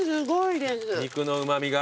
肉のうま味が。